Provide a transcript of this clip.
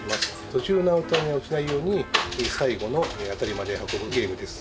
途中のアウトに落ちないように最後の当たりまで運ぶゲームです。